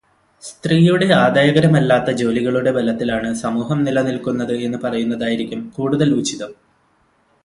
സ്ത്രീയുടെ ആദായകരമല്ലാത്ത ജോലികളുടെ ബലത്തിലാണ് സമൂഹം നിലനിൽക്കുന്നത് എന്നു പറയുന്നതായിരിക്കും കൂടുതൽ ഉചിതം.